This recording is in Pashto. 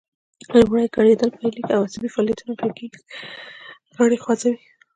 لومړی ګړیدل پیلیږي او عصبي فعالیتونه غږیز غړي خوځوي